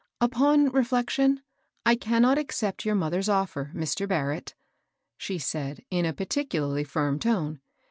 *' Upon reflection, I cannot accept your moth er's ofier, Mr. Barrett," she said, in a particularly firm tone.